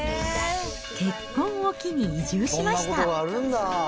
結婚を機に移住しました。